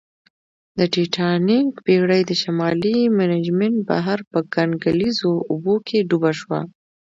د ټیټانیک بېړۍ د شمالي منجمند بحر په کنګلیزو اوبو کې ډوبه شوه